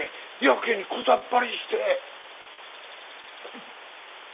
やけにこざっぱりして。